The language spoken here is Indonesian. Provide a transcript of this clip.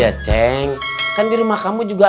we had great fun lihat semua